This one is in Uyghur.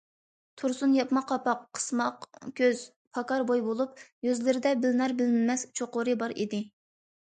تۇرسۇن ياپما قاپاق، قىسماق كۆز، پاكار بوي بولۇپ، يۈزلىرىدە بىلىنەر- بىلىنمەس چوقۇرى بار ئىدى.